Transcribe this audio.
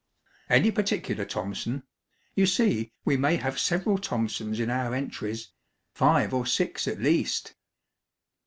"Any particular Thompson? You see, we may have several Thompsons in our entries five or six at least."